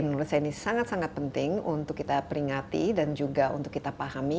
menurut saya ini sangat sangat penting untuk kita peringati dan juga untuk kita pahami